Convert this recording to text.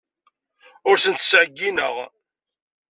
Ur asent-ttɛeyyineɣ.